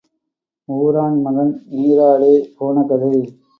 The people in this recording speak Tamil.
ஊரான் மகன் நீரோடே போன கதை.